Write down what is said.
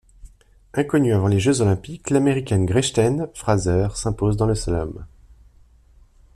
Inconnue avant les Jeux Olympiques, l'américaine Gretchen Fraser s'impose dans le slalom.